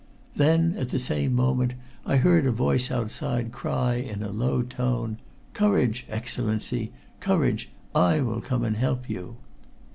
Then at the same moment I heard a voice outside cry in a low tone: "Courage, Excellency! Courage! I will come and help you."